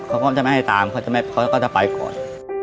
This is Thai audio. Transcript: เขาก็จะไม่ให้ตามเขาก็จะไปก่อน